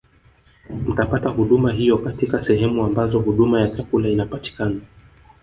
Mtapata huduma hiyo katika sehemu ambazo huduma ya chakula inapatikana